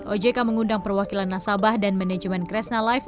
ojk mengundang perwakilan nasabah dan manajemen kresna life